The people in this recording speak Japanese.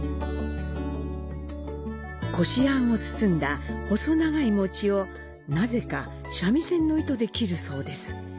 こし餡を包んだ、細長い餅をなぜか三味線の糸で切るそうです。